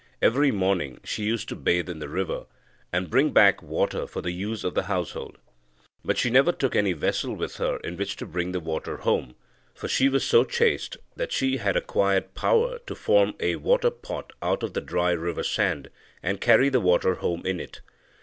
Every morning she used to bathe in the river, and bring back water for the use of the household. But she never took any vessel with her in which to bring the water home, for she was so chaste that she had acquired power to form a water pot out of the dry river sand, and carry the water home in it.